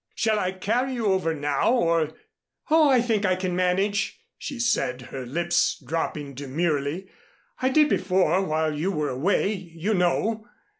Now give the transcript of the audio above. Shall I carry you over now or " "Oh, I think I can manage," she said, her lips dropping demurely. "I did before while you were away, you know."